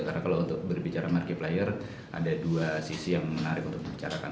karena kalau untuk berbicara marquee player ada dua sisi yang menarik untuk dibicarakan